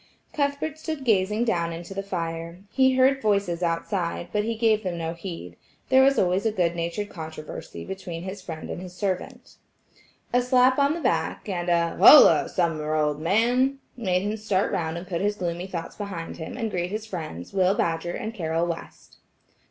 Cuthbert stood gazing down into the fire. He heard voices outside, but he gave them no heed; there was always a good natured controversy between his friend and his servant. A slap on the back, and "Holloa, Sumner, old man!" made him start round and put his gloomy thoughts behind him, and greet his friends, Will Badger and Carroll West.